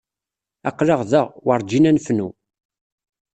Aql-aɣ da, werǧin ad nefnu.